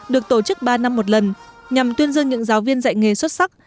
được tổ chức ba năm một lần nhằm tuyên dương những giáo viên dạy nghề xuất sắc